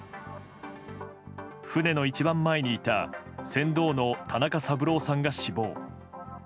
船の一番前にいた船頭の田中三郎さんが死亡。